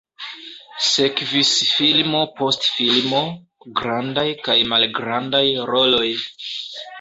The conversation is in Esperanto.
Sekvis filmo post filmo, grandaj kaj malgrandaj roloj.